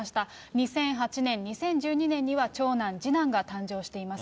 ２００８年、２０１２年には長男、次男が誕生しています。